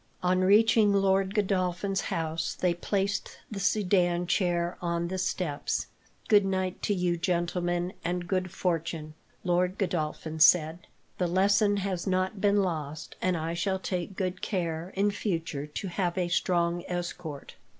On reaching Lord Godolphin's house they placed the sedan chair on the steps. "Goodnight to you, gentlemen, and good fortune!" Lord Godolphin said. "The lesson has not been lost, and I shall take good care, in future, to have a strong escort."